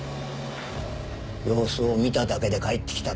様子を見ただけで帰ってきたか？